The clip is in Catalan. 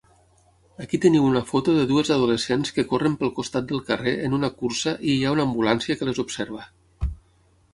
Aquí teniu una foto de dues adolescents que corren pel costat del carrer en una cursa i hi ha una ambulància que les observa.